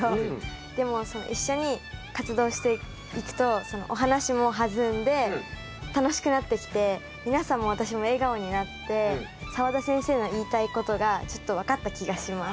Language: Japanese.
でも一緒に活動していくとお話もはずんで楽しくなってきて皆さんも私も笑顔になって澤田先生の言いたいことがちょっと分かった気がします。